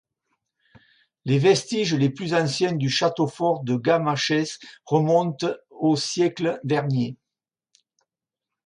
Les vestiges les plus anciens du château fort de Gamaches remontent aux et siècles.